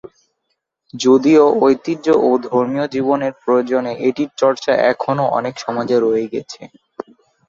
যদিও ঐতিহ্য ও ধর্মীয় জীবনের প্রয়োজনে এটির চর্চা এখনো অনেক সমাজে রয়ে গেছে।